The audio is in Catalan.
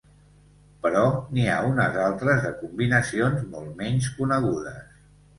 Però n’hi ha unes altres, de combinacions, molt menys conegudes.